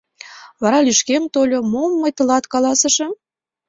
Вара лишкем тольо: — Мом мый тылат каласышым?